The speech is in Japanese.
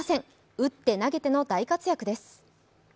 打って投げての大活躍です。